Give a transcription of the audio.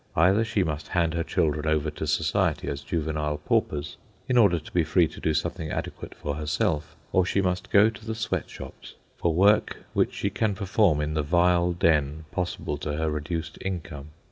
Either she must hand her children over to society as juvenile paupers, in order to be free to do something adequate for herself, or she must go to the sweat shops for work which she can perform in the vile den possible to her reduced income.